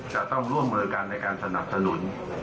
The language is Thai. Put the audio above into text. จะต้องร่วมมือกันในการสนับสนุน